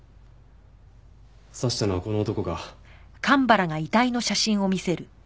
刺したのはこの男か？